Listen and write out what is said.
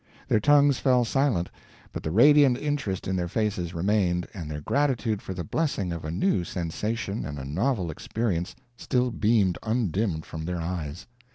Their tongues fell silent, but the radiant interest in their faces remained, and their gratitude for the blessing of a new sensation and a novel experience still beamed undimmed from their eyes.